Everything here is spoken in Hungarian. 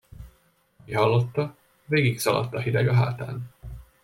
Aki hallotta, végig szaladt a hideg a hátán.